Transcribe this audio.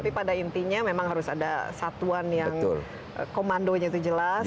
tapi pada intinya memang harus ada satuan yang komandonya itu jelas